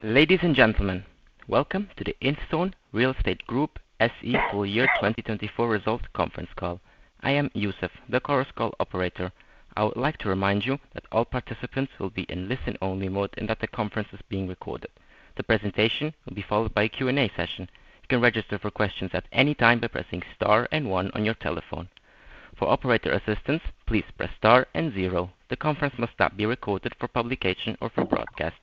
Ladies and gentlemen, welcome to the Instone Real Estate Group SE for Year 2024 Results Conference Call. I am Youssef, the call's call operator. I would like to remind you that all participants will be in listen-only mode and that the conference is being recorded. The presentation will be followed by a Q&A session. You can register for questions at any time by pressing star and one on your telephone. For operator assistance, please press star and zero. The conference must not be recorded for publication or for broadcast.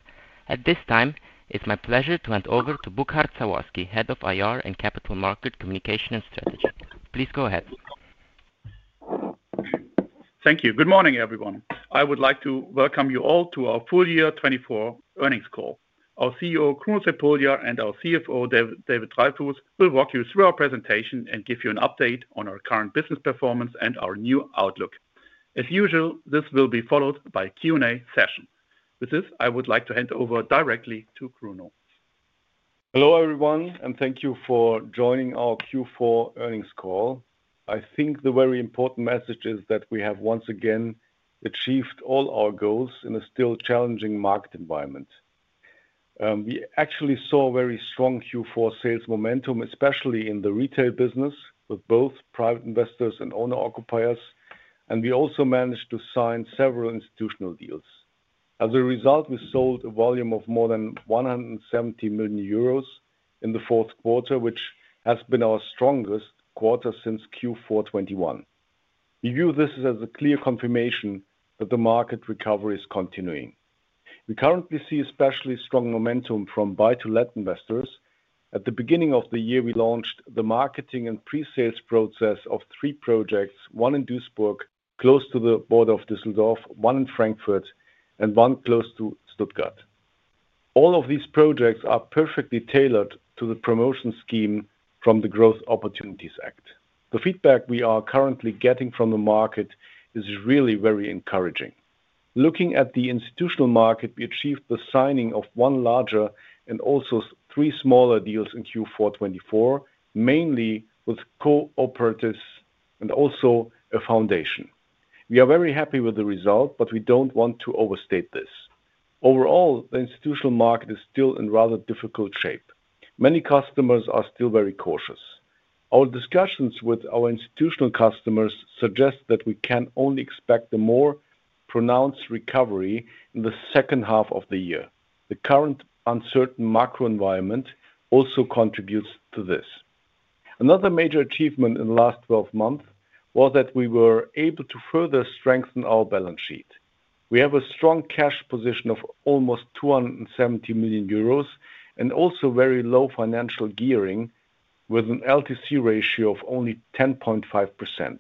At this time, it's my pleasure to hand over to Burkhard Sawazki, Head of IR and Capital Market Communication and Strategy. Please go ahead. Thank you. Good morning, everyone. I would like to welcome you all to our full year 2024 earnings call. Our CEO, Kruno Crepulja, and our CFO, David Dreyfus, will walk you through our presentation and give you an update on our current business performance and our new outlook. As usual, this will be followed by a Q&A session. With this, I would like to hand over directly to Kruno. Hello, everyone, and thank you for joining our Q4 earnings call. I think the very important message is that we have once again achieved all our goals in a still challenging market environment. We actually saw very strong Q4 sales momentum, especially in the retail business with both private investors and owner-occupiers, and we also managed to sign several institutional deals. As a result, we sold a volume of more than 170 million euros in the fourth quarter, which has been our strongest quarter since Q4 2021. We view this as a clear confirmation that the market recovery is continuing. We currently see especially strong momentum from buy-to-let investors. At the beginning of the year, we launched the marketing and pre-sales process of three projects: one in Duisburg, close to the border of Düsseldorf, one in Frankfurt, and one close to Stuttgart. All of these projects are perfectly tailored to the promotion scheme from the Growth Opportunities Act. The feedback we are currently getting from the market is really very encouraging. Looking at the institutional market, we achieved the signing of one larger and also three smaller deals in Q4 2024, mainly with co-operatives and also a foundation. We are very happy with the result, but we do not want to overstate this. Overall, the institutional market is still in rather difficult shape. Many customers are still very cautious. Our discussions with our institutional customers suggest that we can only expect a more pronounced recovery in the second half of the year. The current uncertain macro environment also contributes to this. Another major achievement in the last 12 months was that we were able to further strengthen our balance sheet. We have a strong cash position of almost 270 million euros and also very low financial gearing with an LTC ratio of only 10.5%.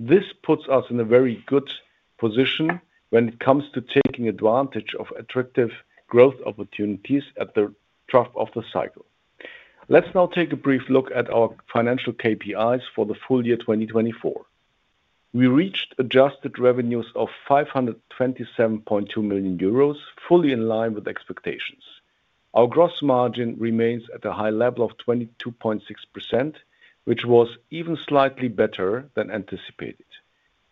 This puts us in a very good position when it comes to taking advantage of attractive growth opportunities at the trough of the cycle. Let's now take a brief look at our financial KPIs for the full year 2024. We reached adjusted revenues of 527.2 million euros, fully in line with expectations. Our gross margin remains at a high level of 22.6%, which was even slightly better than anticipated.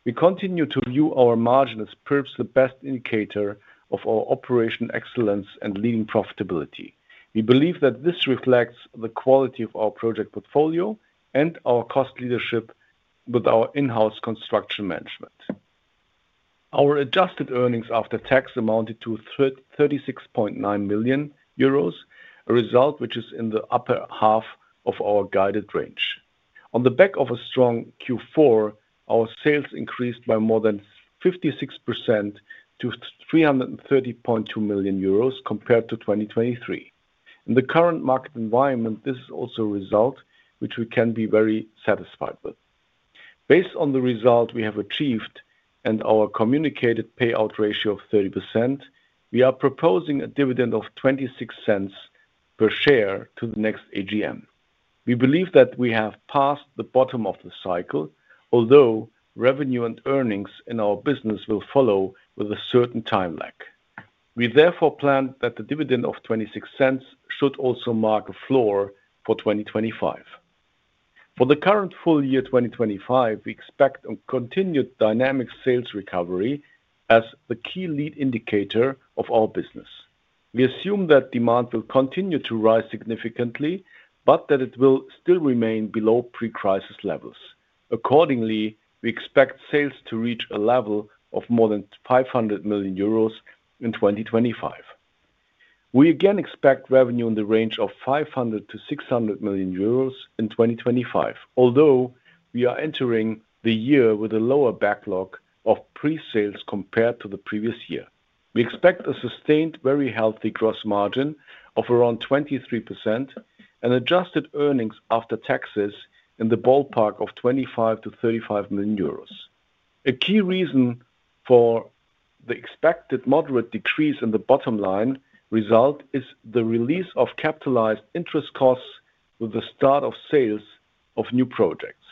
We continue to view our margin as perhaps the best indicator of our operational excellence and leading profitability. We believe that this reflects the quality of our project portfolio and our cost leadership with our in-house construction management. Our adjusted earnings after tax amounted to 36.9 million euros, a result which is in the upper half of our guided range. On the back of a strong Q4, our sales increased by more than 56% to 330.2 million euros compared to 2023. In the current market environment, this is also a result which we can be very satisfied with. Based on the result we have achieved and our communicated payout ratio of 30%, we are proposing a dividend of 0.26 per share to the next AGM. We believe that we have passed the bottom of the cycle, although revenue and earnings in our business will follow with a certain time lag. We therefore plan that the dividend of 0.26 should also mark a floor for 2025. For the current full year 2025, we expect a continued dynamic sales recovery as the key lead indicator of our business. We assume that demand will continue to rise significantly, but that it will still remain below pre-crisis levels. Accordingly, we expect sales to reach a level of more than 500 million euros in 2025. We again expect revenue in the range of 500-600 million euros in 2025, although we are entering the year with a lower backlog of pre-sales compared to the previous year. We expect a sustained, very healthy gross margin of around 23% and adjusted earnings after taxes in the ballpark of 25-35 million euros. A key reason for the expected moderate decrease in the bottom line result is the release of capitalized interest costs with the start of sales of new projects.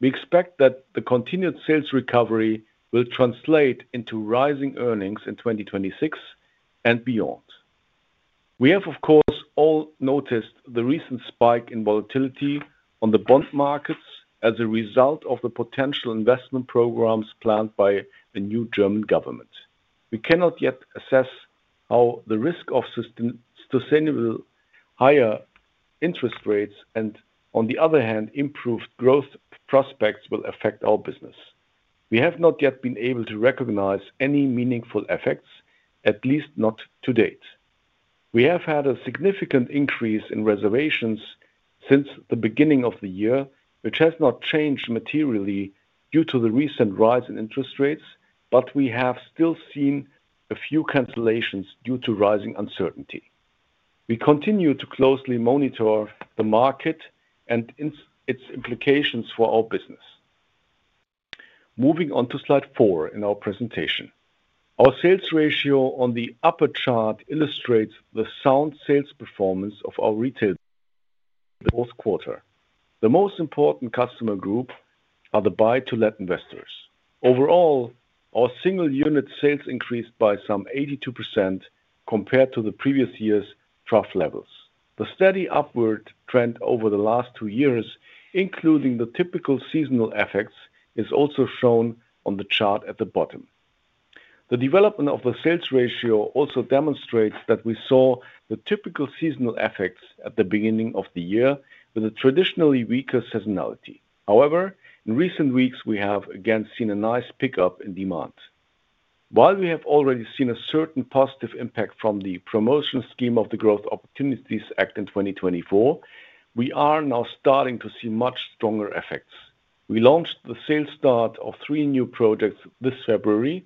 We expect that the continued sales recovery will translate into rising earnings in 2026 and beyond. We have, of course, all noticed the recent spike in volatility on the bond markets as a result of the potential investment programs planned by the new German government. We cannot yet assess how the risk of sustainable higher interest rates and, on the other hand, improved growth prospects will affect our business. We have not yet been able to recognize any meaningful effects, at least not to date. We have had a significant increase in reservations since the beginning of the year, which has not changed materially due to the recent rise in interest rates, but we have still seen a few cancellations due to rising uncertainty. We continue to closely monitor the market and its implications for our business. Moving on to slide four in our presentation. Our sales ratio on the upper chart illustrates the sound sales performance of our retail for this quarter. The most important customer group are the buy-to-let investors. Overall, our single-unit sales increased by some 82% compared to the previous year's trough levels. The steady upward trend over the last two years, including the typical seasonal effects, is also shown on the chart at the bottom. The development of the sales ratio also demonstrates that we saw the typical seasonal effects at the beginning of the year with a traditionally weaker seasonality. However, in recent weeks, we have again seen a nice pickup in demand. While we have already seen a certain positive impact from the promotion scheme of the Growth Opportunities Act in 2024, we are now starting to see much stronger effects. We launched the sales start of three new projects this February.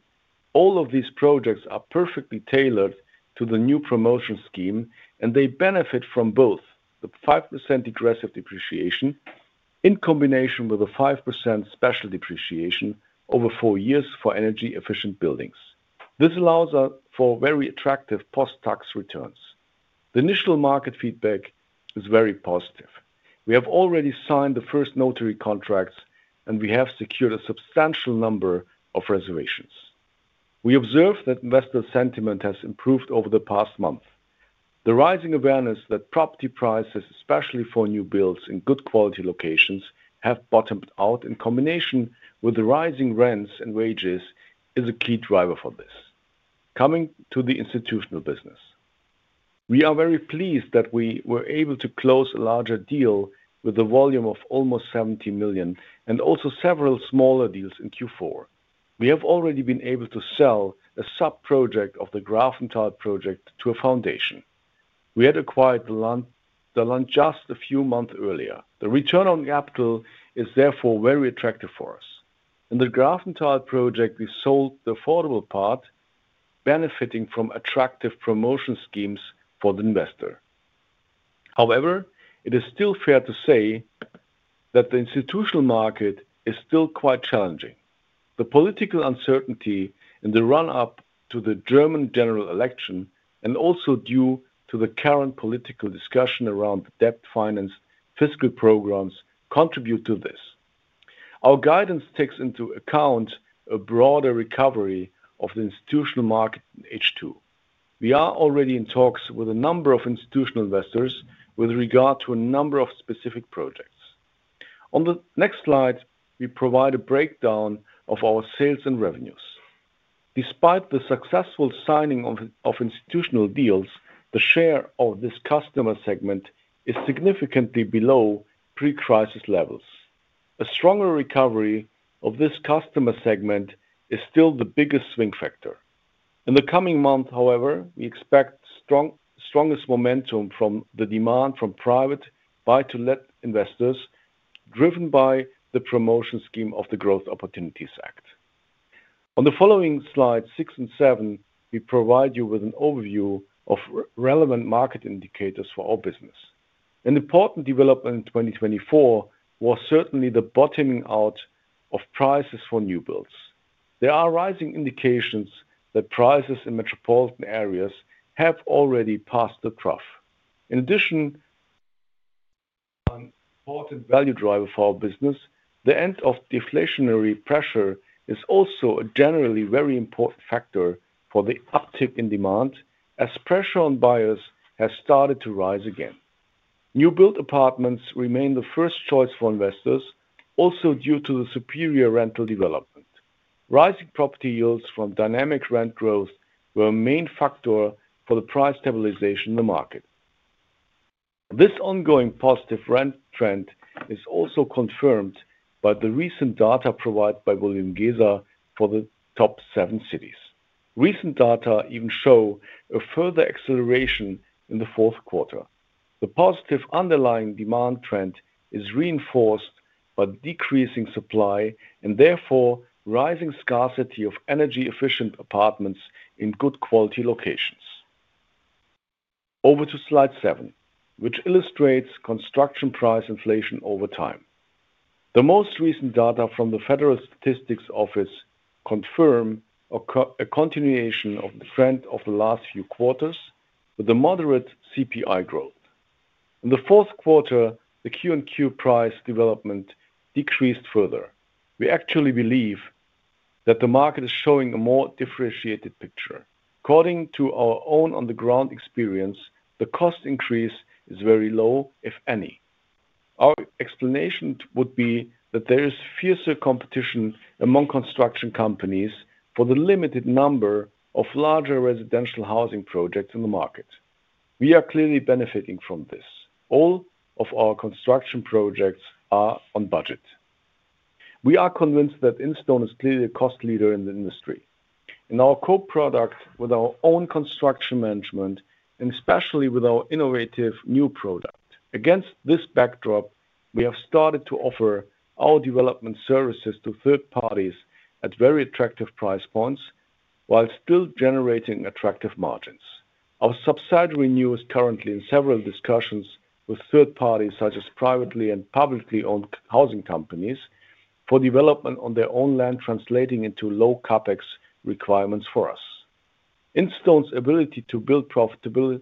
All of these projects are perfectly tailored to the new promotion scheme, and they benefit from both the 5% aggressive depreciation in combination with a 5% special depreciation over four years for energy-efficient buildings. This allows us for very attractive post-tax returns. The initial market feedback is very positive. We have already signed the first notary contracts, and we have secured a substantial number of reservations. We observe that investor sentiment has improved over the past month. The rising awareness that property prices, especially for new builds in good quality locations, have bottomed out in combination with the rising rents and wages is a key driver for this. Coming to the institutional business, we are very pleased that we were able to close a larger deal with a volume of almost 70 million and also several smaller deals in Q4. We have already been able to sell a sub-project of the Grafenthal project to a foundation. We had acquired the land just a few months earlier. The return on capital is therefore very attractive for us. In the Grafenthal project, we sold the affordable part, benefiting from attractive promotion schemes for the investor. However, it is still fair to say that the institutional market is still quite challenging. The political uncertainty in the run-up to the German general election and also due to the current political discussion around debt finance fiscal programs contribute to this. Our guidance takes into account a broader recovery of the institutional market in H2. We are already in talks with a number of institutional investors with regard to a number of specific projects. On the next slide, we provide a breakdown of our sales and revenues. Despite the successful signing of institutional deals, the share of this customer segment is significantly below pre-crisis levels. A stronger recovery of this customer segment is still the biggest swing factor. In the coming month, however, we expect strongest momentum from the demand from private buy-to-let investors, driven by the promotion scheme of the Growth Opportunities Act. On the following slides, six and seven, we provide you with an overview of relevant market indicators for our business. An important development in 2024 was certainly the bottoming out of prices for new builds. There are rising indications that prices in metropolitan areas have already passed the trough. In addition, an important value driver for our business, the end of deflationary pressure, is also a generally very important factor for the uptick in demand as pressure on buyers has started to rise again. New-built apartments remain the first choice for investors, also due to the superior rental development. Rising property yields from dynamic rent growth were a main factor for the price stabilization in the market. This ongoing positive rent trend is also confirmed by the recent data provided by Bulwiengesa for the top seven cities. Recent data even show a further acceleration in the fourth quarter. The positive underlying demand trend is reinforced by decreasing supply and therefore rising scarcity of energy-efficient apartments in good quality locations. Over to slide seven, which illustrates construction price inflation over time. The most recent data from the Federal Statistics Office confirm a continuation of the trend of the last few quarters with a moderate CPI growth. In the fourth quarter, the Q&Q price development decreased further. We actually believe that the market is showing a more differentiated picture. According to our own on-the-ground experience, the cost increase is very low, if any. Our explanation would be that there is fiercer competition among construction companies for the limited number of larger residential housing projects in the market. We are clearly benefiting from this. All of our construction projects are on budget. We are convinced that Instone is clearly a cost leader in the industry and our core product with our own construction management, and especially with our innovative new product. Against this backdrop, we have started to offer our development services to third parties at very attractive price points while still generating attractive margins. Our subsidiary NIU is currently in several discussions with third parties such as privately and publicly owned housing companies for development on their own land, translating into low CapEx requirements for us. Instone's ability to build profitably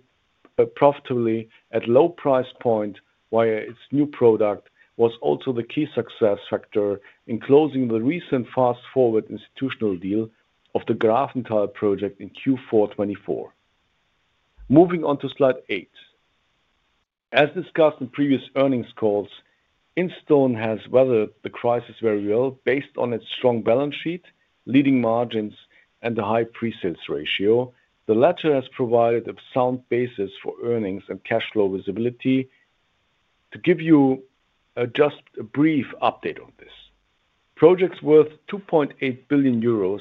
at low price points via its new product was also the key success factor in closing the recent fast-forward institutional deal of the Grafenthal project in Q4 2024. Moving on to slide eight. As discussed in previous earnings calls, Instone has weathered the crisis very well based on its strong balance sheet, leading margins, and the high pre-sales ratio. The latter has provided a sound basis for earnings and cash flow visibility. To give you just a brief update on this, projects worth 2.8 billion euros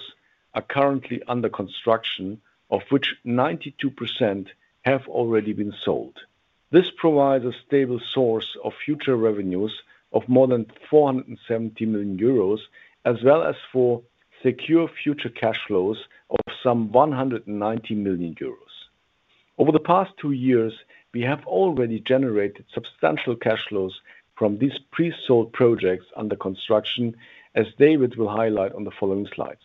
are currently under construction, of which 92% have already been sold. This provides a stable source of future revenues of more than 470 million euros, as well as for secure future cash flows of some 190 million euros. Over the past two years, we have already generated substantial cash flows from these pre-sold projects under construction, as David will highlight on the following slides.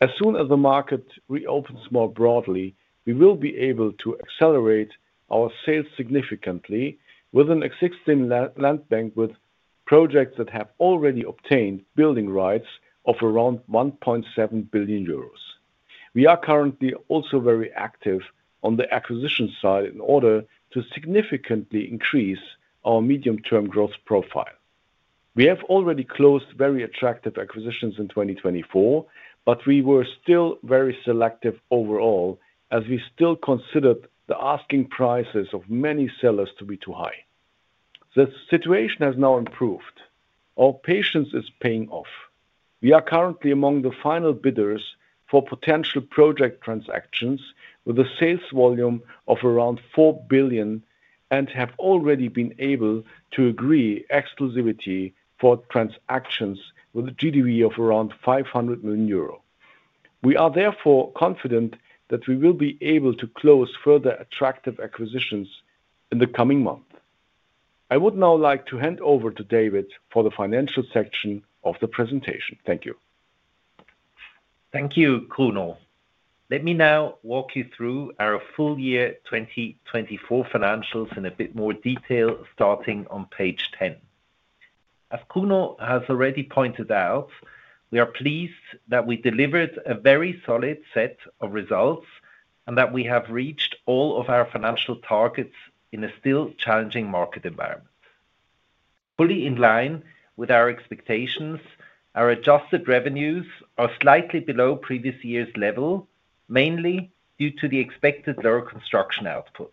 As soon as the market reopens more broadly, we will be able to accelerate our sales significantly with an existing land bank with projects that have already obtained building rights of around 1.7 billion euros. We are currently also very active on the acquisition side in order to significantly increase our medium-term growth profile. We have already closed very attractive acquisitions in 2024, but we were still very selective overall as we still considered the asking prices of many sellers to be too high. The situation has now improved. Our patience is paying off. We are currently among the final bidders for potential project transactions with a sales volume of around 4 billion and have already been able to agree exclusivity for transactions with a GDV of around 500 million euro. We are therefore confident that we will be able to close further attractive acquisitions in the coming month. I would now like to hand over to David for the financial section of the presentation. Thank you. Thank you, Kruno. Let me now walk you through our full year 2024 financials in a bit more detail starting on page 10. As Kruno has already pointed out, we are pleased that we delivered a very solid set of results and that we have reached all of our financial targets in a still challenging market environment. Fully in line with our expectations, our adjusted revenues are slightly below previous year's level, mainly due to the expected lower construction output.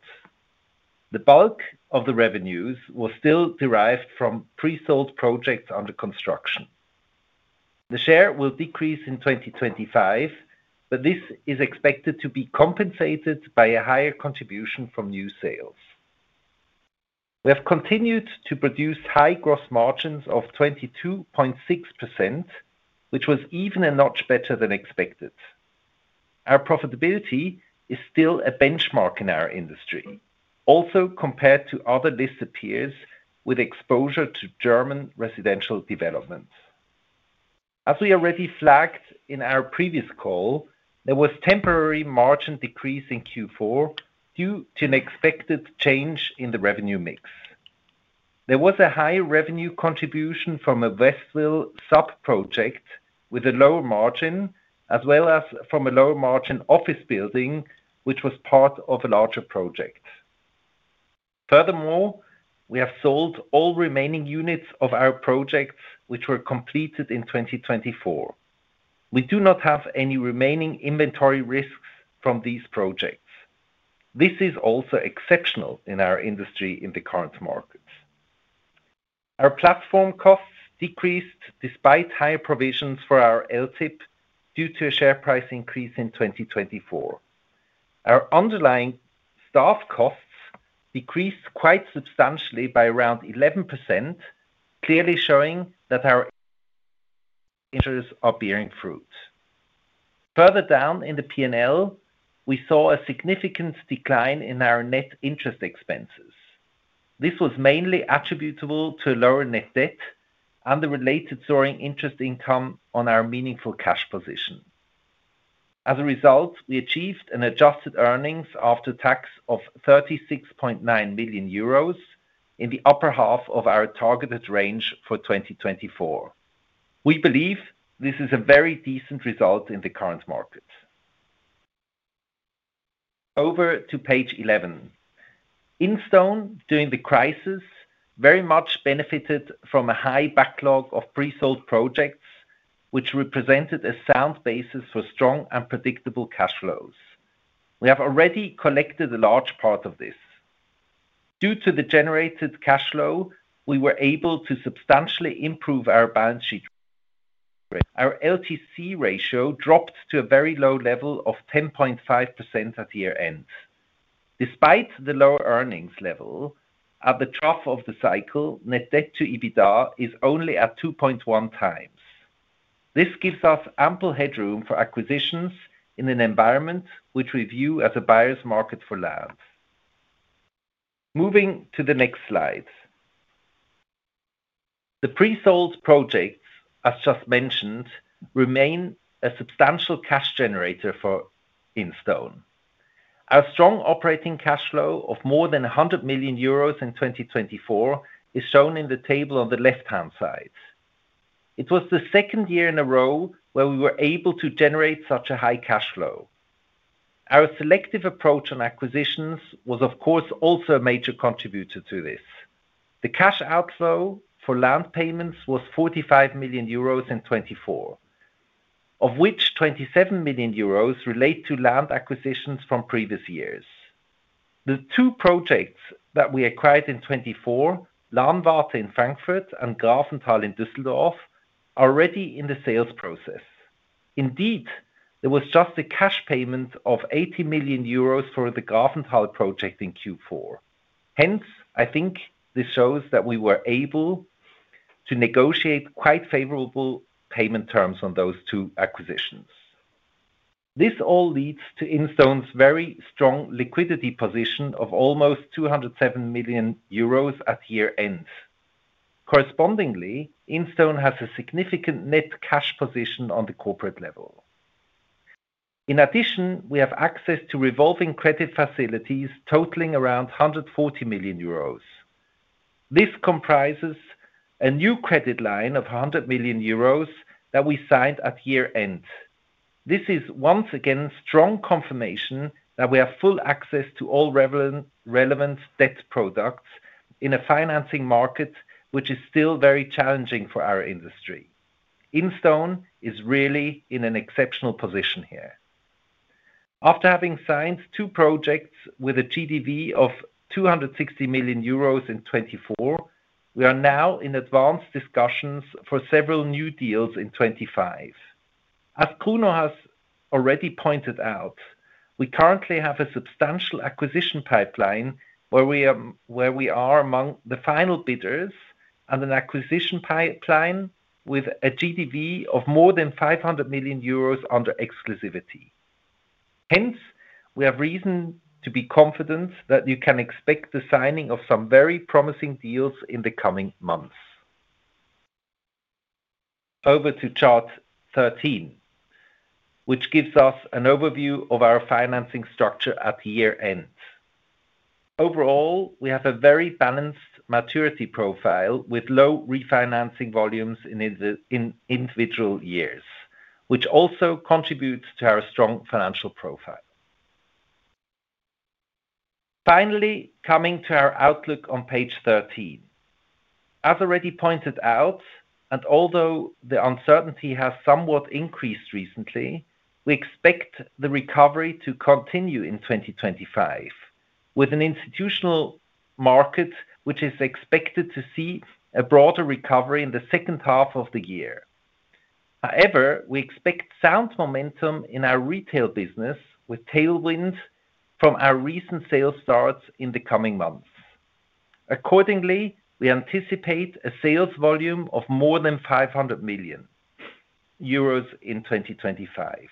The bulk of the revenues was still derived from pre-sold projects under construction. The share will decrease in 2025, but this is expected to be compensated by a higher contribution from new sales. We have continued to produce high gross margins of 22.6%, which was even a notch better than expected. Our profitability is still a benchmark in our industry, also compared to other listed peers with exposure to German residential development. As we already flagged in our previous call, there was a temporary margin decrease in Q4 due to an expected change in the revenue mix. There was a high revenue contribution from a Westville sub-project with a lower margin, as well as from a lower margin office building, which was part of a larger project. Furthermore, we have sold all remaining units of our projects, which were completed in 2024. We do not have any remaining inventory risks from these projects. This is also exceptional in our industry in the current market. Our platform costs decreased despite higher provisions for our LTIP due to a share price increase in 2024. Our underlying staff costs decreased quite substantially by around 11%, clearly showing that our interests are bearing fruit. Further down in the P&L, we saw a significant decline in our net interest expenses. This was mainly attributable to a lower net debt and the related soaring interest income on our meaningful cash position. As a result, we achieved an adjusted earnings after tax of 36.9 million euros in the upper half of our targeted range for 2024. We believe this is a very decent result in the current market. Over to page 11. Instone, during the crisis, very much benefited from a high backlog of pre-sold projects, which represented a sound basis for strong and predictable cash flows. We have already collected a large part of this. Due to the generated cash flow, we were able to substantially improve our balance sheet. Our LTC ratio dropped to a very low level of 10.5% at year-end. Despite the lower earnings level at the trough of the cycle, net debt to EBITDA is only at 2.1 times. This gives us ample headroom for acquisitions in an environment which we view as a buyer's market for land. Moving to the next slide. The pre-sold projects, as just mentioned, remain a substantial cash generator for Instone. Our strong operating cash flow of more than 100 million euros in 2024 is shown in the table on the left-hand side. It was the second year in a row where we were able to generate such a high cash flow. Our selective approach on acquisitions was, of course, also a major contributor to this. The cash outflow for land payments was 45 million euros in 2024, of which 27 million euros relate to land acquisitions from previous years. The two projects that we acquired in 2024, Lahnstraße in Frankfurt and Grafenthal in Düsseldorf, are already in the sales process. Indeed, there was just a cash payment of 80 million euros for the Grafenthal project in Q4. Hence, I think this shows that we were able to negotiate quite favorable payment terms on those two acquisitions. This all leads to Instone's very strong liquidity position of almost 207 million euros at year-end. Correspondingly, Instone has a significant net cash position on the corporate level. In addition, we have access to revolving credit facilities totaling around 140 million euros. This comprises a new credit line of 100 million euros that we signed at year-end. This is once again strong confirmation that we have full access to all relevant debt products in a financing market which is still very challenging for our industry. Instone is really in an exceptional position here. After having signed two projects with a GDV of 260 million euros in 2024, we are now in advanced discussions for several new deals in 2025. As Kruno has already pointed out, we currently have a substantial acquisition pipeline where we are among the final bidders and an acquisition pipeline with a GDV of more than 500 million euros under exclusivity. Hence, we have reason to be confident that you can expect the signing of some very promising deals in the coming months. Over to chart 13, which gives us an overview of our financing structure at year-end. Overall, we have a very balanced maturity profile with low refinancing volumes in individual years, which also contributes to our strong financial profile. Finally, coming to our outlook on page 13. As already pointed out, and although the uncertainty has somewhat increased recently, we expect the recovery to continue in 2025 with an institutional market which is expected to see a broader recovery in the second half of the year. However, we expect sound momentum in our retail business with tailwind from our recent sales starts in the coming months. Accordingly, we anticipate a sales volume of more than 500 million euros in 2025.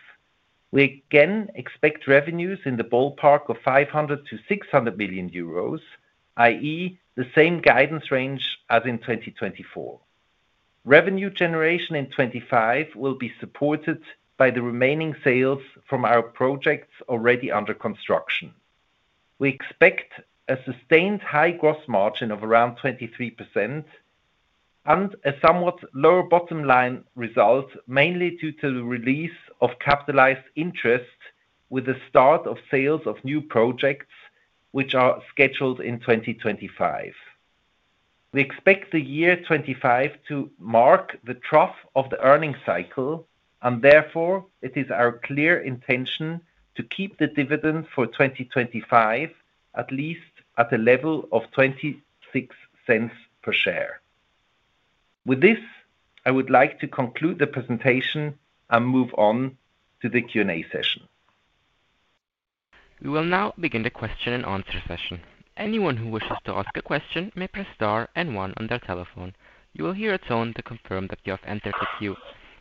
We again expect revenues in the ballpark of 500-600 million euros, i.e., the same guidance range as in 2024. Revenue generation in 2025 will be supported by the remaining sales from our projects already under construction. We expect a sustained high gross margin of around 23% and a somewhat lower bottom line result, mainly due to the release of capitalized interest with the start of sales of new projects which are scheduled in 2025. We expect the year 2025 to mark the trough of the earnings cycle, and therefore it is our clear intention to keep the dividend for 2025 at least at a level of 0.26 per share. With this, I would like to conclude the presentation and move on to the Q&A session. We will now begin the question and answer session. Anyone who wishes to ask a question may press star and one on their telephone. You will hear a tone to confirm that you have entered the queue.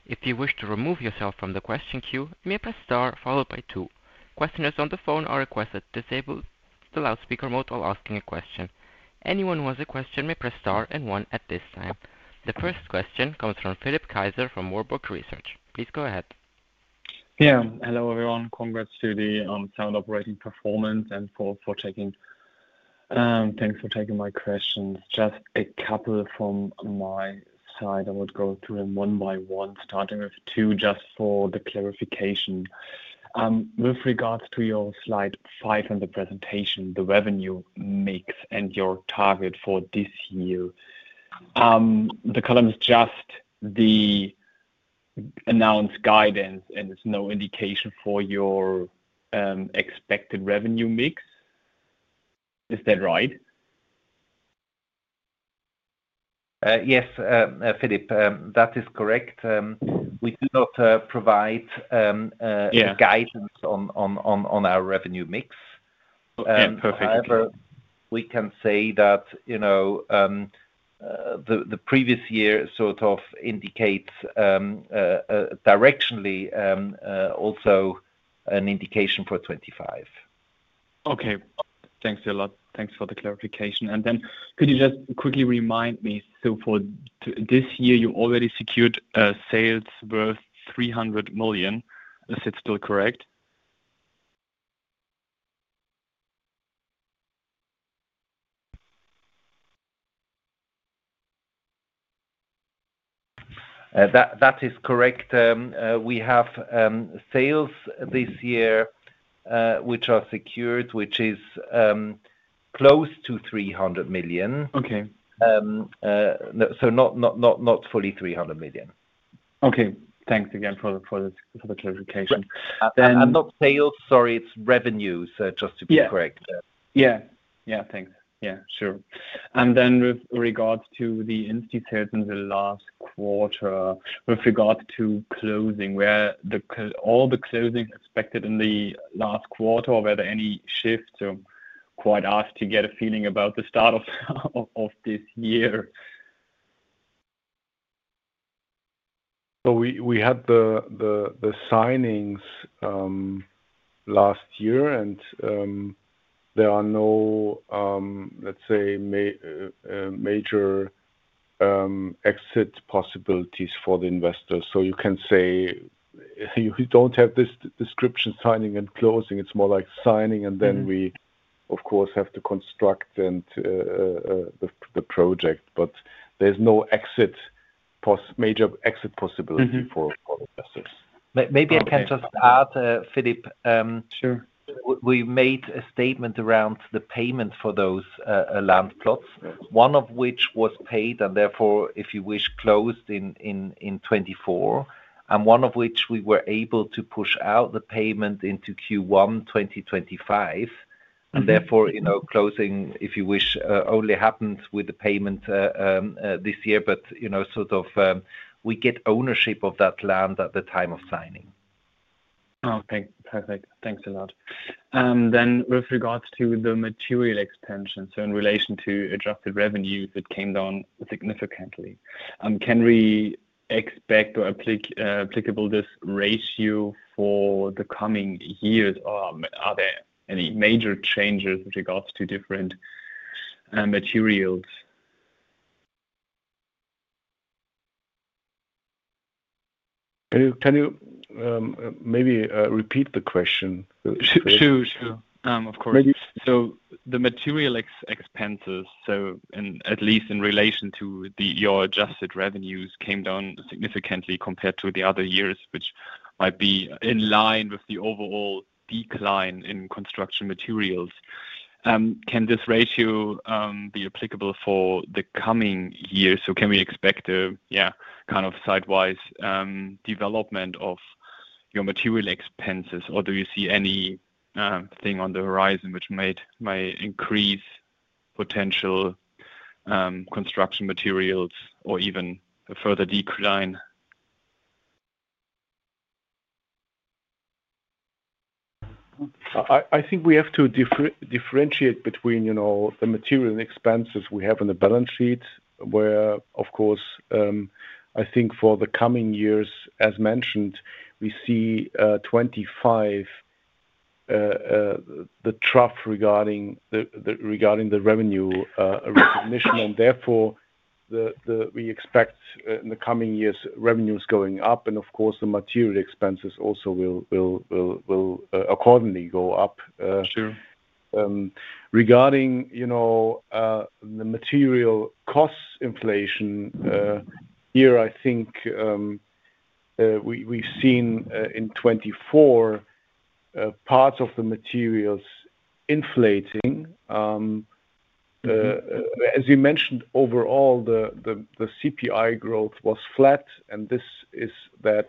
If you wish to remove yourself from the question queue, you may press star followed by two. Questioners on the phone are requested to disable the loudspeaker mode while asking a question. Anyone who has a question may press star and one at this time. The first question comes from Philipp Kaiser from Warburg Research. Please go ahead. Yeah, hello everyone. Congrats to the sound operating performance and thanks for taking my questions. Just a couple from my side. I would go through them one by one, starting with two just for the clarification. With regards to your slide five on the presentation, the revenue mix and your target for this year, the column is just the announced guidance, and there's no indication for your expected revenue mix. Is that right? Yes, Philip, that is correct. We do not provide guidance on our revenue mix. However, we can say that the previous year sort of indicates directionally also an indication for 2025. Okay. Thanks a lot. Thanks for the clarification. Could you just quickly remind me, for this year, you already secured sales worth 300 million. Is it still correct? That is correct. We have sales this year which are secured, which is close to 300 million. Not fully 300 million. Okay. Thanks again for the clarification. Not sales, sorry, it's revenues, just to be correct. Yeah. Yeah. Yeah. Thanks. Yeah. Sure. With regards to the institutes in the last quarter, with regards to closing, were all the closings expected in the last quarter? Were there any shifts? Quite asked to get a feeling about the start of this year. We had the signings last year, and there are no, let's say, major exit possibilities for the investors. You can say you do not have this description, signing and closing. It is more like signing, and then we, of course, have to construct the project. There is no major exit possibility for investors. Maybe I can just add, Philip. Sure. We made a statement around the payment for those land plots, one of which was paid and therefore, if you wish, closed in 2024, and one of which we were able to push out the payment into Q1 2025.Therefore, closing, if you wish, only happens with the payment this year, but we get ownership of that land at the time of signing. Okay. Perfect. Thanks a lot. With regards to the material expenses, in relation to adjusted revenues, it came down significantly. Can we expect this ratio for the coming years, or are there any major changes with regards to different materials? Can you maybe repeat the question? Sure. Of course. The material expenses, at least in relation to your adjusted revenues, came down significantly compared to the other years, which might be in line with the overall decline in construction materials. Can this ratio be applicable for the coming year? Can we expect a kind of sideways development of your material expenses, or do you see anything on the horizon which might increase potential construction materials or even a further decline? I think we have to differentiate between the material expenses we have on the balance sheet, where, of course, I think for the coming years, as mentioned, we see 2025 the trough regarding the revenue recognition, and therefore we expect in the coming years revenues going up, and of course, the material expenses also will accordingly go up. Regarding the material cost inflation, here, I think we've seen in 2024 parts of the materials inflating. As you mentioned, overall, the CPI growth was flat, and this is that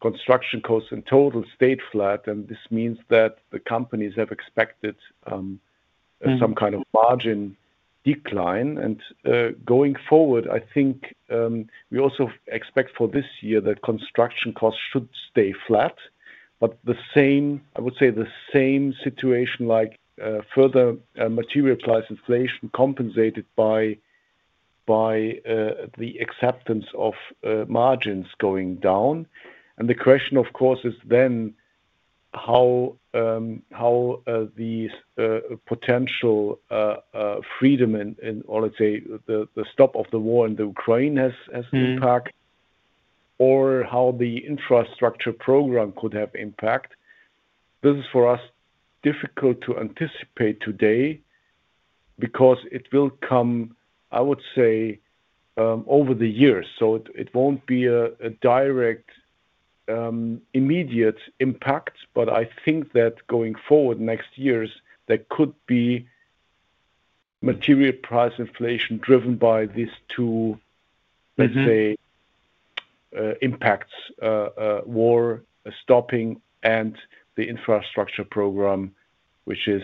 construction costs in total stayed flat, and this means that the companies have expected some kind of margin decline. Going forward, I think we also expect for this year that construction costs should stay flat, but I would say the same situation like further material price inflation compensated by the acceptance of margins going down. The question, of course, is then how the potential freedom in, let's say, the stop of the war in the Ukraine has impact or how the infrastructure program could have impact. This is, for us, difficult to anticipate today because it will come, I would say, over the years. It will not be a direct immediate impact, but I think that going forward next years, there could be material price inflation driven by these two, let's say, impacts: war stopping and the infrastructure program, which is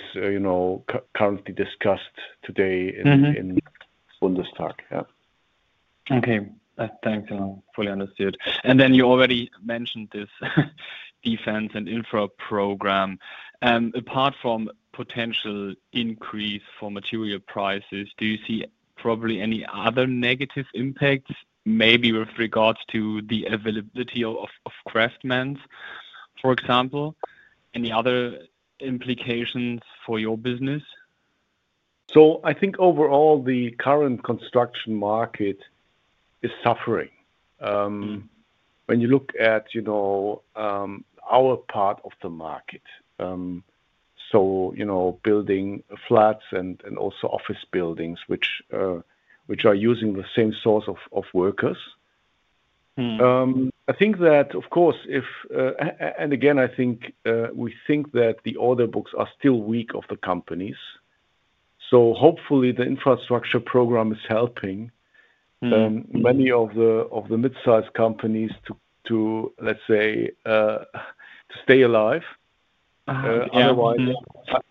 currently discussed today in Bundestag. Yeah. Okay. Thanks. I fully understood. You already mentioned this defense and infra program. Apart from potential increase for material prices, do you see probably any other negative impacts, maybe with regards to the availability of craftsmen, for example? Any other implications for your business? I think overall, the current construction market is suffering. When you look at our part of the market, building flats and also office buildings which are using the same source of workers, I think that, of course, if—and again, I think we think that the order books are still weak of the companies. Hopefully, the infrastructure program is helping many of the midsize companies to, let's say, stay alive. Otherwise,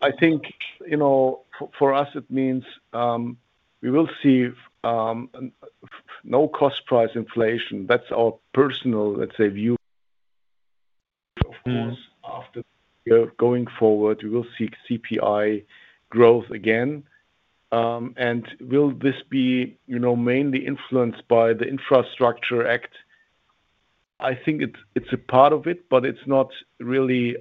I think for us, it means we will see no cost price inflation. That is our personal, let's say, view. Of course, after going forward, we will see CPI growth again. Will this be mainly influenced by the Infrastructure Act? I think it's a part of it, but it's not really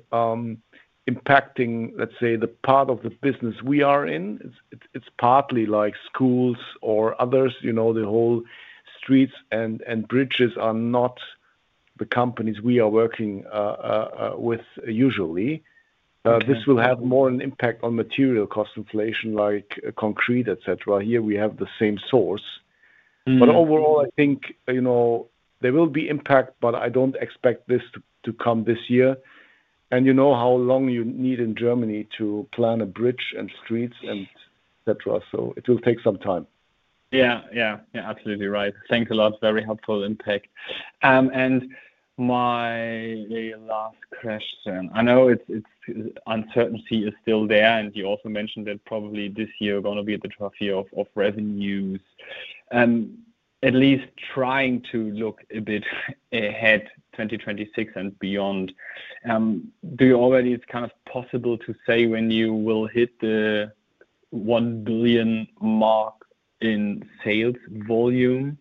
impacting, let's say, the part of the business we are in. It's partly like schools or others. The whole streets and bridges are not the companies we are working with usually. This will have more an impact on material cost inflation, like concrete, etc. Here, we have the same source. Overall, I think there will be impact, but I don't expect this to come this year. You know how long you need in Germany to plan a bridge and streets and etc. It will take some time. Yeah. Absolutely right. Thanks a lot. Very helpful impact. My last question. I know uncertainty is still there, and you also mentioned that probably this year is going to be the trough of revenues. At least trying to look a bit ahead, 2026 and beyond, do you already—it is kind of possible to say when you will hit the €1 billion mark in sales volume?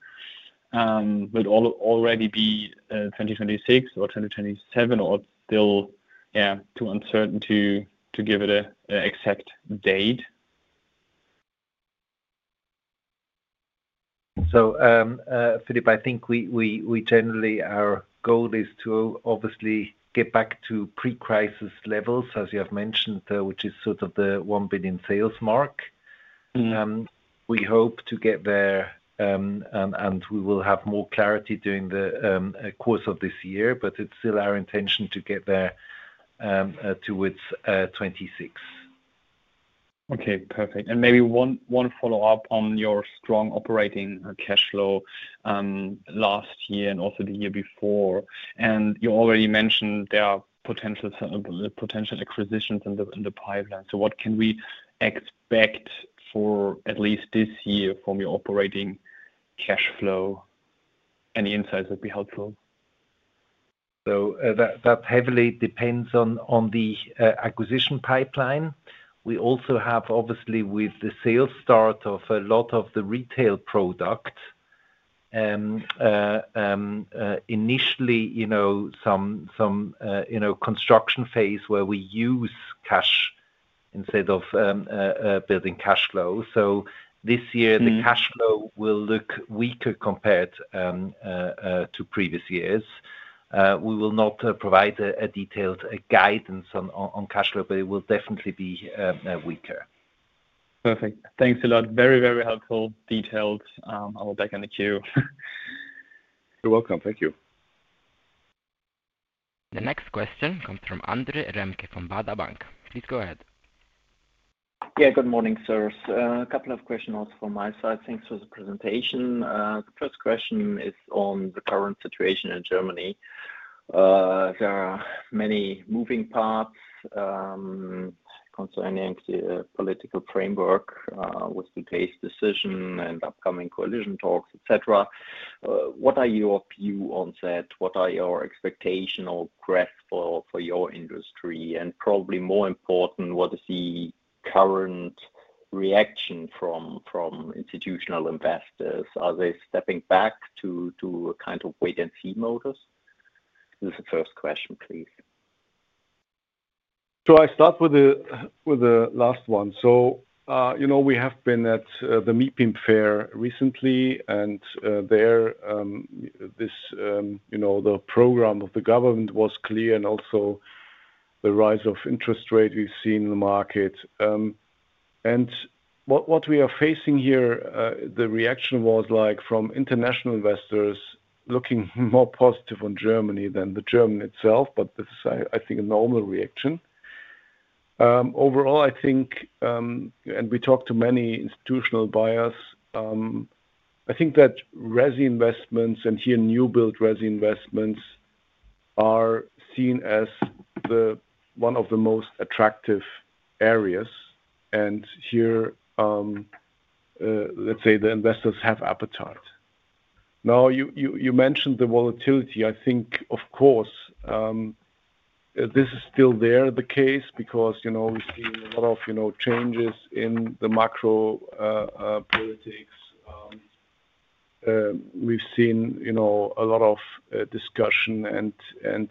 Will it already be 2026 or 2027, or still, yeah, too uncertain to give it an exact date? Philip, I think we generally—our goal is to obviously get back to pre-crisis levels, as you have mentioned, which is sort of the €1 billion sales mark. We hope to get there, and we will have more clarity during the course of this year, but it is still our intention to get there to 2026. Okay. Perfect. Maybe one follow-up on your strong operating cash flow last year and also the year before. You already mentioned there are potential acquisitions in the pipeline. What can we expect for at least this year from your operating cash flow? Any insights would be helpful. That heavily depends on the acquisition pipeline. We also have, obviously, with the sales start of a lot of the retail product, initially some construction phase where we use cash instead of building cash flow. This year, the cash flow will look weaker compared to previous years. We will not provide a detailed guidance on cash flow, but it will definitely be weaker. Perfect. Thanks a lot. Very, very helpful details. I will take on the queue. You're welcome. Thank you. The next question comes from Andre Remke from Warburg Research. Please go ahead. Yeah. Good morning, sir. A couple of questions also from my side. Thanks for the presentation. The first question is on the current situation in Germany. There are many moving parts, concerning the political framework with today's decision and upcoming coalition talks, etc. What are your views on that? What are your expectations or graphs for your industry? Probably more important, what is the current reaction from institutional investors? Are they stepping back to a kind of wait-and-see modus? This is the first question, please. I'll start with the last one. We have been at the MIPIM fair recently, and there the program of the government was clear and also the rise of interest rates we've seen in the market. What we are facing here, the reaction was from international investors looking more positive on Germany than the German itself, but this is, I think, a normal reaction. Overall, I think—and we talked to many institutional buyers—I think that Resi investments and here new-build Resi investments are seen as one of the most attractive areas. Here, let's say, the investors have appetite. Now, you mentioned the volatility. I think, of course, this is still the case because we've seen a lot of changes in the macro politics. We've seen a lot of discussion and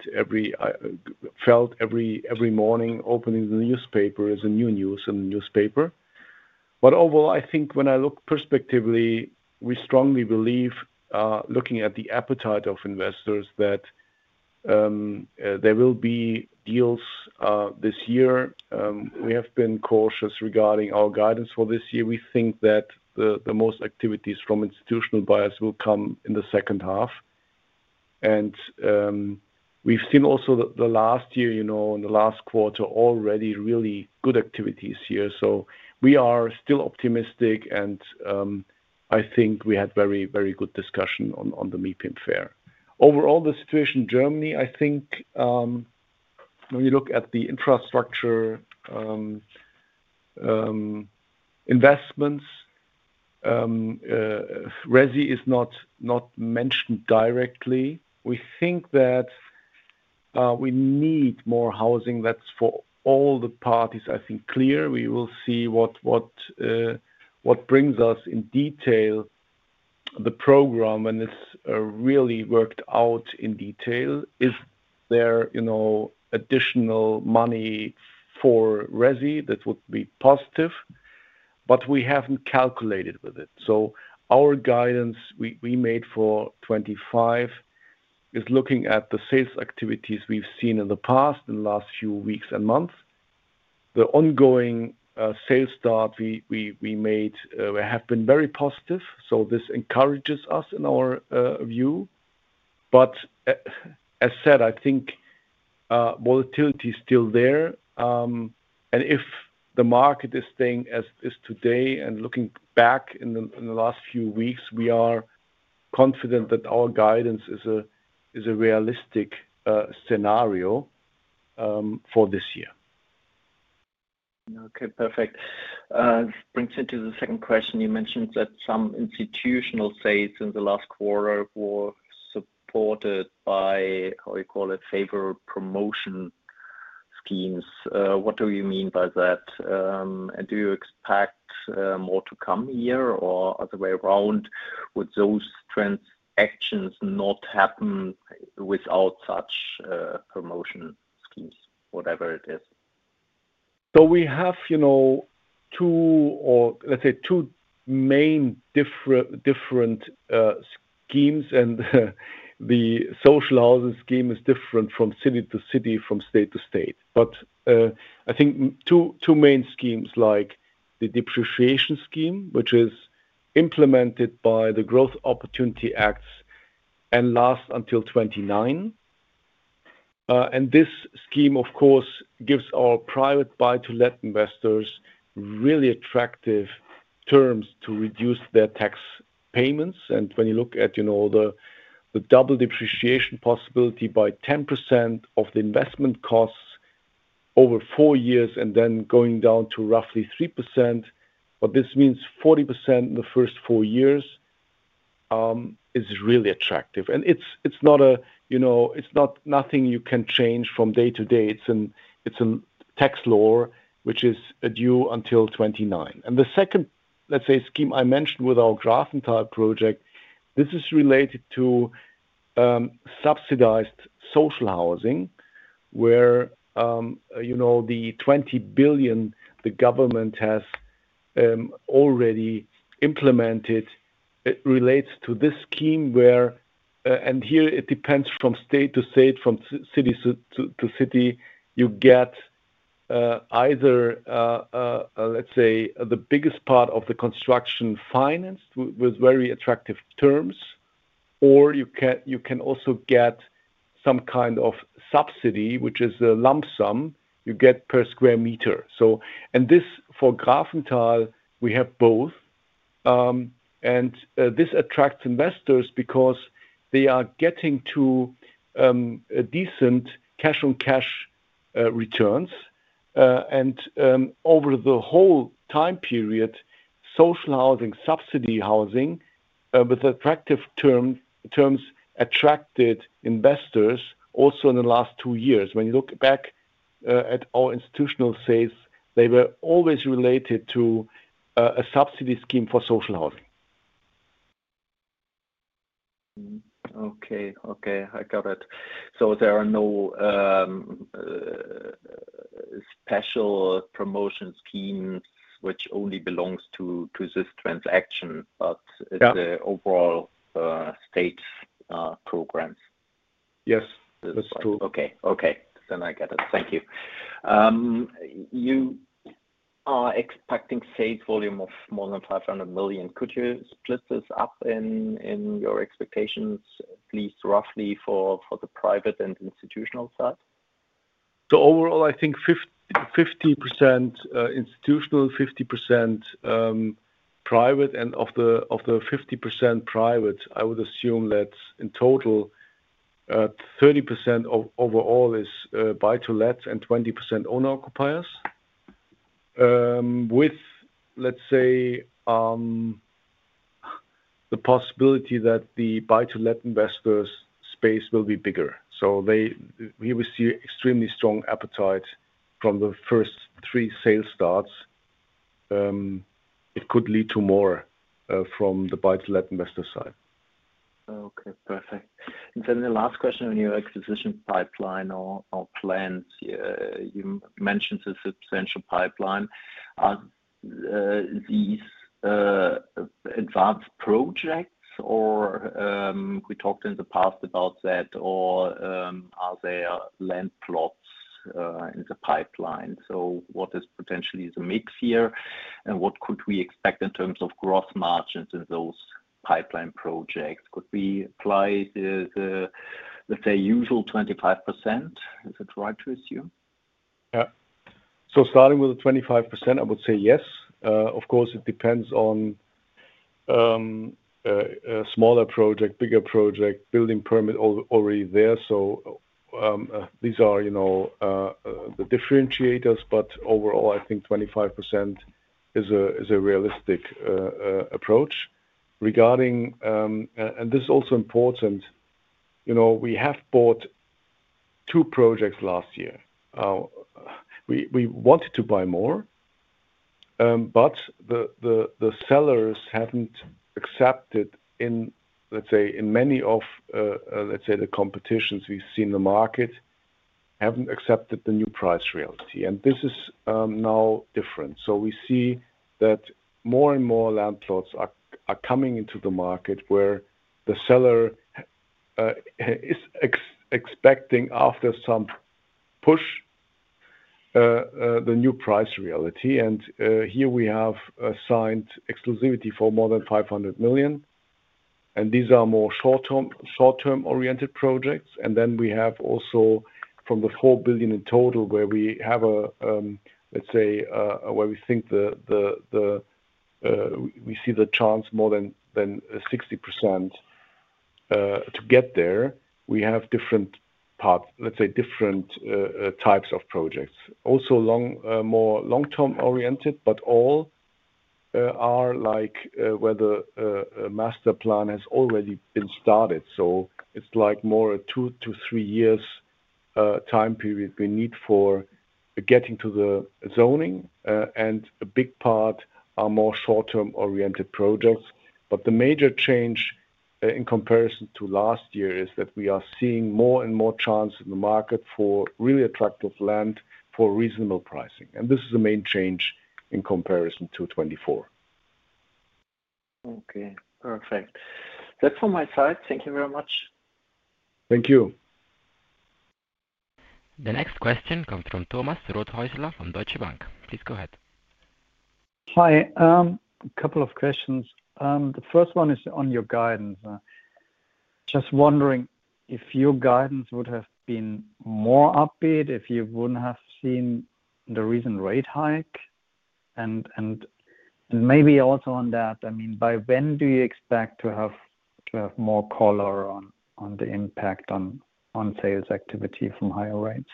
felt every morning opening the newspaper is a new news in the newspaper. Overall, I think when I look pers pectively, we strongly believe, looking at the appetite of investors, that there will be deals this year. We have been cautious regarding our guidance for this year. We think that the most activities from institutional buyers will come in the second half. We've seen also the last year and the last quarter already really good activities here. We are still optimistic, and I think we had very, very good discussion on the MIPIM fair. Overall, the situation in Germany, I think when you look at the infrastructure investments, Resi is not mentioned directly. We think that we need more housing. is for all the parties, I think, clear. We will see what brings us in detail the program when it is really worked out in detail. Is there additional money for Resi? That would be positive. We have not calculated with it. Our guidance we made for 2025 is looking at the sales activities we have seen in the past in the last few weeks and months. The ongoing sales start we made have been very positive. This encourages us in our view. As said, I think volatility is still there. If the market is staying as it is today and looking back in the last few weeks, we are confident that our guidance is a realistic scenario for this year. Okay. Perfect. This brings me to the second question. You mentioned that some institutional sales in the last quarter were supported by, how you call it, favorable promotion schemes. What do you mean by that? Do you expect more to come here, or the way around would those transactions not happen without such promotion schemes, whatever it is? We have two, let's say, two main different schemes, and the social housing scheme is different from city to city, from state to state. I think two main schemes like the depreciation scheme, which is implemented by the Growth Opportunities Act and lasts until 2029. This scheme, of course, gives our private buy-to-let investors really attractive terms to reduce their tax payments. When you look at the double depreciation possibility by 10% of the investment costs over four years and then going down to roughly 3%, this means 40% in the first four years is really attractive. It is not something you can change from day to day. It is a tax law which is due until 2029. The second scheme I mentioned with our Grafenthal project is related to subsidized social housing where the 20 billion the government has already implemented relates to this scheme. Here it depends from state to state, from city to city, you get either the biggest part of the construction financed with very attractive terms, or you can also get some kind of subsidy, which is a lump sum you get per square meter. For Grafenthal, we have both. This attracts investors because they are getting to decent cash-on-cash returns. Over the whole time period, social housing, subsidy housing with attractive terms attracted investors also in the last two years. When you look back at our institutional sales, they were always related to a subsidy scheme for social housing. Okay. I got it. There are no special promotion schemes which only belong to this transaction, but it is the overall state programs. Yes. That is true. Okay. I get it. Thank you. You are expecting sales volume of more than 500 million. Could you split this up in your expectations, at least roughly for the private and institutional side? Overall, I think 50% institutional, 50% private, and of the 50% private, I would assume that in total, 30% overall is buy-to-let and 20% owner-occupiers with, let's say, the possibility that the buy-to-let investors' space will be bigger. We will see extremely strong appetite from the first three sales starts. It could lead to more from the buy-to-let investor side. Okay. Perfect. The last question on your acquisition pipeline or plans, you mentioned a substantial pipeline. Are these advanced projects, or we talked in the past about that, or are there land plots in the pipeline? What is potentially the mix here, and what could we expect in terms of gross margins in those pipeline projects? Could we apply the, let's say, usual 25%? Is it right to assume? Yeah. Starting with the 25%, I would say yes. Of course, it depends on smaller project, bigger project, building permit already there. These are the differentiators. Overall, I think 25% is a realistic approach. This is also important. We have bought two projects last year. We wanted to buy more, but the sellers have not accepted, in many of the competitions we have seen in the market, the new price reality. This is now different. We see that more and more land plots are coming into the market where the seller is expecting, after some push, the new price reality. Here we have assigned exclusivity for more than 500 million. These are more short-term-oriented projects. We also have from the EUR 4 billion in total where we think we see the chance more than 60% to get there. We have different, let's say, different types of projects. Also more long-term-oriented, but all are like where the master plan has already been started. It is like more a two to three years time period we need for getting to the zoning. A big part are more short-term-oriented projects. The major change in comparison to last year is that we are seeing more and more chance in the market for really attractive land for reasonable pricing. This is the main change in comparison to 2024. Okay. Perfect. That's all my side. Thank you very much. Thank you. The next question comes from Thomas Rothäusler from Deutsche Bank. Please go ahead. Hi. A couple of questions. The first one is on your guidance. Just wondering if your guidance would have been more upbeat if you wouldn't have seen the recent rate hike. Maybe also on that, I mean, by when do you expect to have more color on the impact on sales activity from higher rates?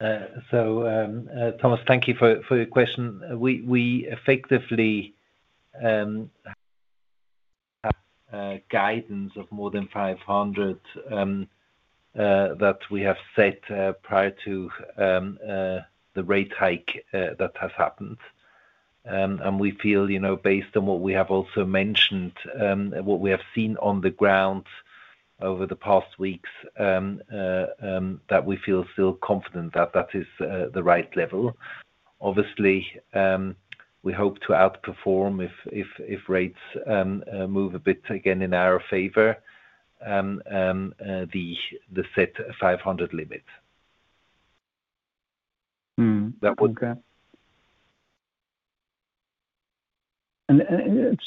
Thomas, thank you for your question. We effectively have guidance of more than 500 that we have set prior to the rate hike that has happened. We feel, based on what we have also mentioned, what we have seen on the ground over the past weeks, that we feel still confident that that is the right level. Obviously, we hope to outperform if rates move a bit again in our favor and the set 500 limit. That would. Okay.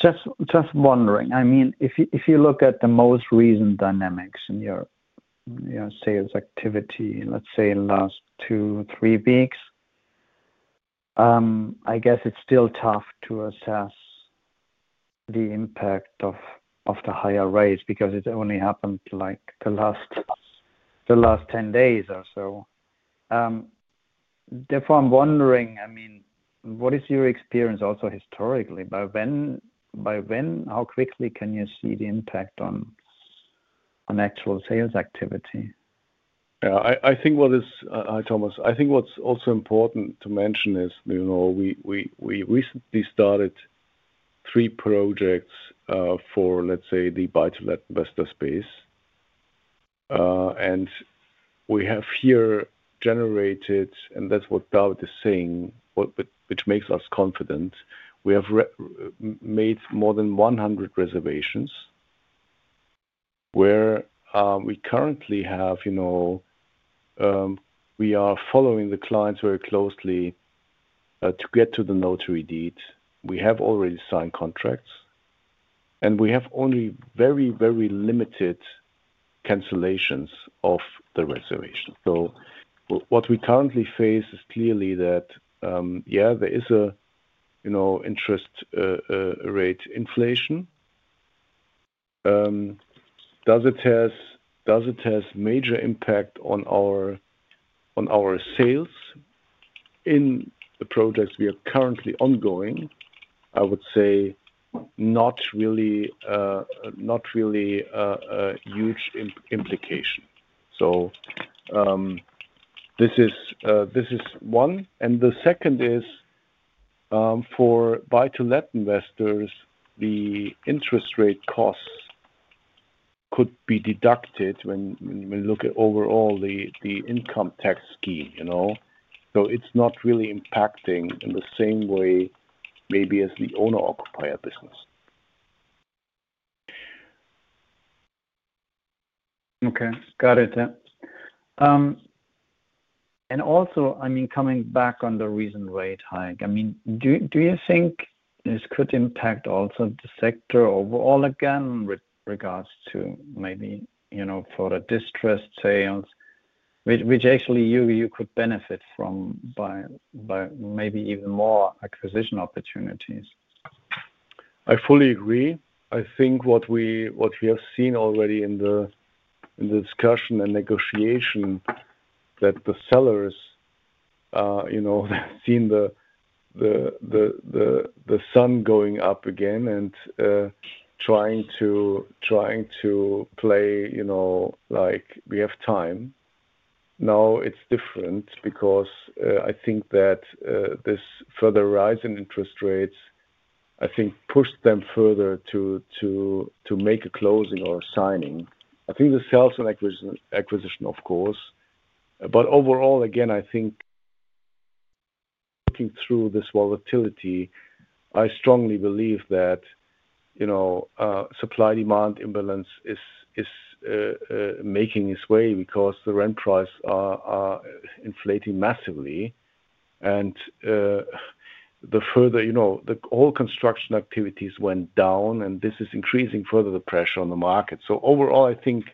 Just wondering, I mean, if you look at the most recent dynamics in your sales activity, let's say, in the last two or three weeks, I guess it's still tough to assess the impact of the higher rates because it only happened the last 10 days or so. Therefore, I'm wondering, I mean, what is your experience also historically? By when? How quickly can you see the impact on actual sales activity? Yeah. I think what is, Thomas, I think what's also important to mention is we recently started three projects for, let's say, the buy-to-let investor space. We have here generated, and that's what David is saying, which makes us confident. We have made more than 100 reservations where we currently have—we are following the clients very closely to get to the notary deeds. We have already signed contracts, and we have only very, very limited cancellations of the reservation. What we currently face is clearly that, yeah, there is an interest rate inflation. Does it have major impact on our sales in the projects we are currently ongoing? I would say not really a huge implication. This is one. The second is for buy-to-let investors, the interest rate costs could be deducted when we look at overall the income tax scheme. It is not really impacting in the same way maybe as the owner-occupier business. Okay. Got it. Yeah. Also, I mean, coming back on the recent rate hike, do you think this could impact also the sector overall again with regards to maybe for the distressed sales, which actually you could benefit from by maybe even more acquisition opportunities? I fully agree. I think what we have seen already in the discussion and negotiation is that the sellers have seen the sun going up again and are trying to play like we have time. Now it's different because I think that this further rise in interest rates, I think, pushed them further to make a closing or a signing. I think the sales and acquisition, of course. Overall, again, I think looking through this volatility, I strongly believe that supply-demand imbalance is making its way because the rent prices are inflating massively. The further the whole construction activities went down, this is increasing further the pressure on the market. Overall, I think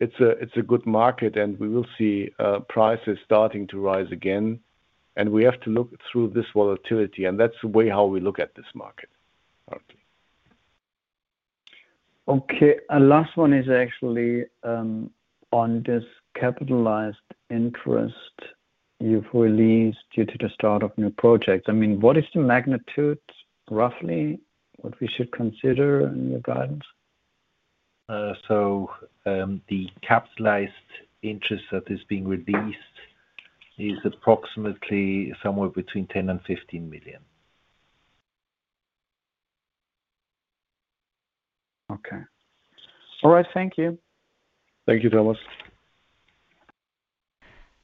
it's a good market, and we will see prices starting to rise again. We have to look through this volatility, and that's the way how we look at this market currently. Okay. Last one is actually on this capitalized interest you've released due to the start of new projects. I mean, what is the magnitude roughly what we should consider in your guidance? The capitalized interest that is being released is approximately somewhere between 10 million-15 million. Okay. All right. Thank you. Thank you, Thomas.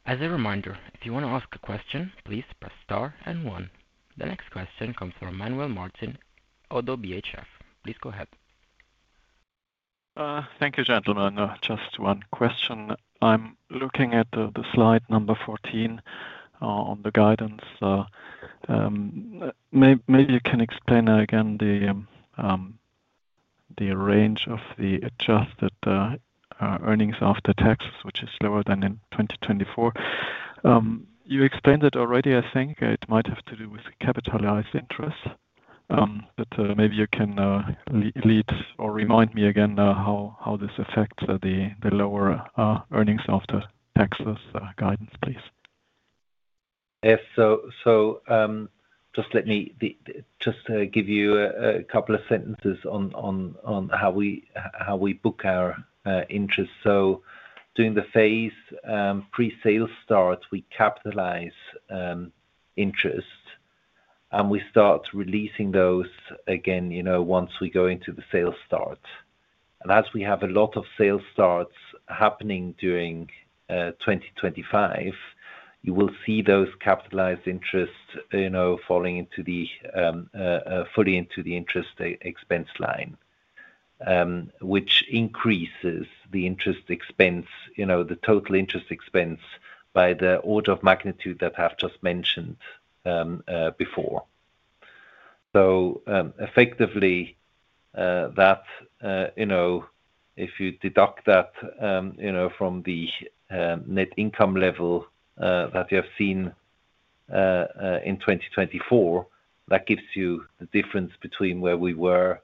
As a reminder, if you want to ask a question, please press star and one. The next question comes from Manuel Martin of ODDO BHF. Please go ahead. Thank you, gentlemen. Just one question. I'm looking at the slide number 14 on the guidance. Maybe you can explain again the range of the adjusted earnings after taxes, which is lower than in 2024. You explained it already, I think. It might have to do with capitalized interest. Maybe you can lead or remind me again how this affects the lower earnings after taxes guidance, please. Yes. Let me just give you a couple of sentences on how we book our interest. During the phase pre-sale start, we capitalize interest, and we start releasing those again once we go into the sales start. As we have a lot of sales starts happening during 2025, you will see those capitalized interests falling fully into the interest expense line, which increases the total interest expense by the order of magnitude that I have just mentioned before. Effectively, if you deduct that from the net income level that you have seen in 2024, that gives you the difference between where we were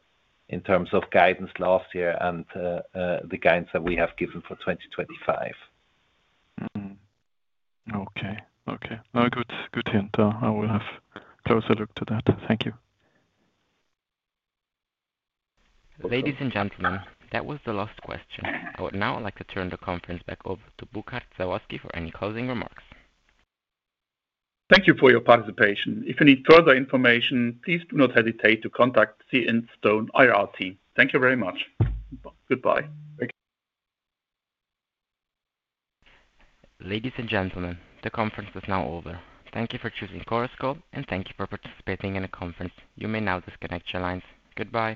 in terms of guidance last year and the guidance that we have given for 2025. Okay. Okay. Good hint. I will have a closer look to that. Thank you. Ladies and gentlemen, that was the last question. I would now like to turn the conference back over to Burkhard Sawazki for any closing remarks. Thank you for your participation. If you need further information, please do not hesitate to contact Instone IR. Thank you very much. Goodbye. Thank you. Ladies and gentlemen, the conference is now over. Thank you for choosing Chorus Call, and thank you for participating in the conference. You may now disconnect your lines. Goodbye.